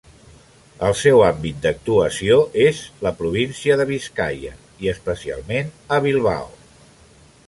El seu àmbit d'actuació és la província de Biscaia i especialment a Bilbao.